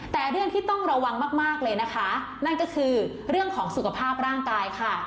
แต่เรื่องที่ต้องระวังมากเลยนะคะนั่นก็คือเรื่องของสุขภาพร่างกายค่ะ